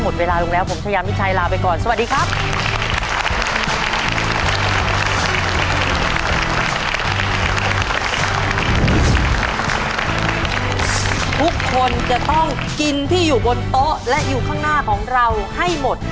ทุกคนจะต้องกินที่อยู่บนโต๊ะและอยู่ข้างหน้าของเราให้หมด